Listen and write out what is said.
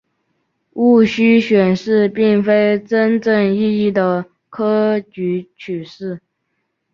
戊戌选试并非真正意义的科举取士。